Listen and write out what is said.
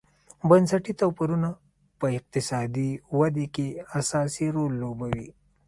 بنسټي توپیرونه په اقتصادي ودې کې اساسي رول لوبوي.